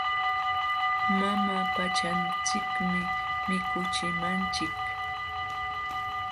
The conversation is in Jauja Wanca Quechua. Mama pachanchikmi mikuchimanchik.